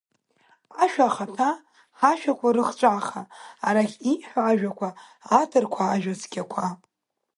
Ашәа ахаҭа ҳашәақәа рыхҵәаха, арахь ииҳәауа ажәақәа аҭырқәа ажәа цқьақәа…